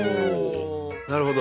なるほど。